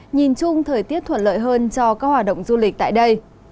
nhìn chung thời tiết thuận lợi hơn cho các hoạt động du lịch tại đây